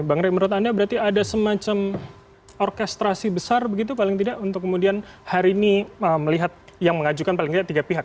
bang rey menurut anda berarti ada semacam orkestrasi besar begitu paling tidak untuk kemudian hari ini melihat yang mengajukan paling tidak tiga pihak